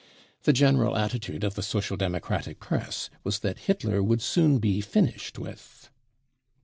The general atti tude of the Social Democratic Press was that Hitler would soon be finished with.